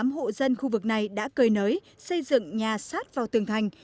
hai mươi tám hộ dân khu vực này đã cơi nới xây dựng nhà sát vào tường thành